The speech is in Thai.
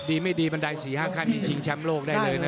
ดีไม่ดีบันได๔๕ขั้นนี้ชิงแชมป์โลกได้เลยนะ